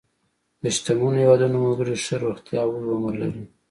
د شتمنو هېوادونو وګړي ښه روغتیا او اوږد عمر لري.